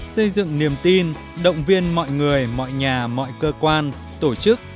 xây dựng niềm tin động viên mọi người mọi nhà mọi cơ quan tổ chức